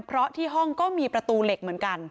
เพราะที่ห้องก็มีประตูเหล็กเหมือนกัน